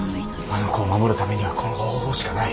あの子を守るためにはこの方法しかない。